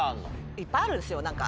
いっぱいあるんですよ何か。